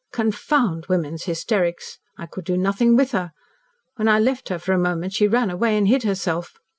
Confound women's hysterics! I could do nothing with her. When I left her for a moment she ran away and hid herself.